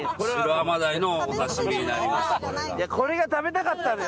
これが食べたかったのよ